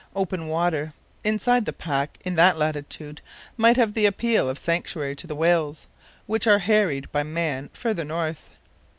Open water inside the pack in that latitude might have the appeal of sanctuary to the whales, which are harried by man farther north.